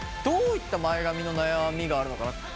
どういった前髪の悩みがあるのかな？